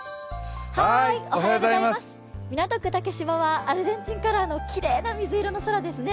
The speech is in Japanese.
港区竹芝はアルゼンチンカラーのきれいな水色の空ですね。